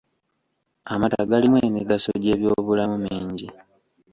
Amata galimu emigaso gy'ebyobulamu mingi.